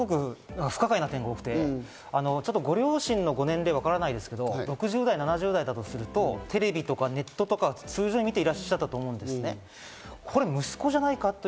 ものすごく不可解な点が多くて、ご両親のご年齢がわからないですけど６０７０代だとすると、テレビとかネットとか、通常は見ていらっしゃったと思うんですね。